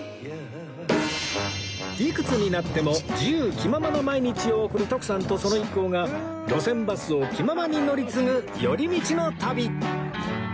いくつになっても自由気ままな毎日を送る徳さんとその一行が路線バスを気ままに乗り継ぐ寄り道の旅